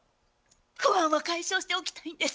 不安は解消しておきたいんです。